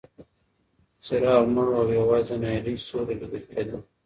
څراغ مړ و او یوازې د ناهیلۍ سیوري لیدل کېدل.